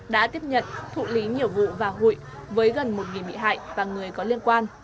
đã tiếp nhận thụ lý nhiều vụ và hụi với gần một bị hại và người có liên quan